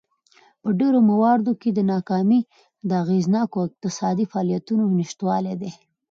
په ډېرو مواردو کې دا ناکامي د اغېزناکو اقتصادي فعالیتونو نشتوالی دی.